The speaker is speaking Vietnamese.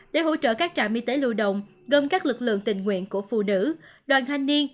để hỗ trợ các trạm y tế lưu động gồm các lực lượng tình nguyện của phụ nữ đoàn thanh niên